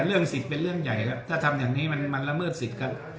เรื่องสิทธิ์เป็นเรื่องใหญ่แล้วถ้าทำอย่างนี้มันละเมิดสิทธิ์กัน